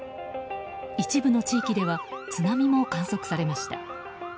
一部の地域では津波も観測されました。